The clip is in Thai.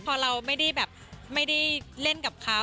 พอเราไม่ได้แบบไม่ได้เล่นกับเขา